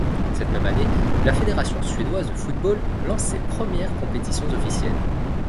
Cette même année, la fédération suédoise de football lance ses premières compétitions officielles.